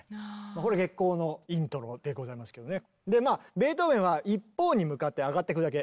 これ「月光」のイントロでございますけどね。